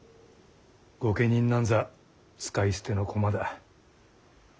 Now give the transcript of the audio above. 御家人なんざ使い捨ての駒だ。